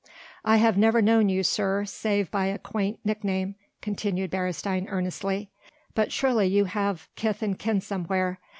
"I have never known you, sir, save by a quaint nick name," continued Beresteyn earnestly, "but surely you have kith and kin somewhere.